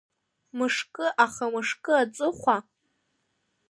Мышкы аха мышкы аҵыхәа…